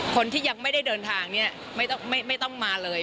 คนที่ยังไม่ได้เดินทางเนี่ยไม่ต้องมาเลย